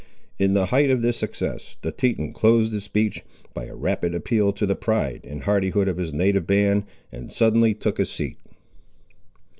In the height of this success the Teton closed his speech, by a rapid appeal to the pride and hardihood of his native band, and suddenly took his seat.